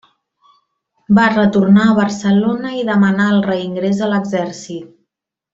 Va retornar a Barcelona i demanà el reingrés a l'exèrcit.